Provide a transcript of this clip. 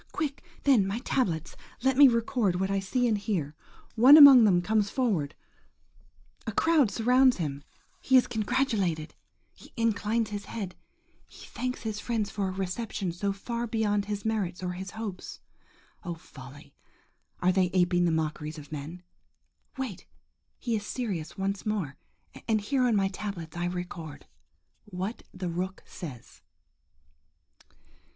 Quick, then, my tablets! Let me record what I see and hear. One among them comes forward–a crowd surrounds him–he is congratulated–he inclines his head–he thanks his friends for a reception so far beyond his merits or his hopes. ... Oh, folly! are they aping the mockeries of men? Wait! he is serious once more, and here on my tablets I record, WHAT THE ROOK SAYS.